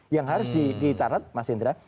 yang harus dicatat mas indra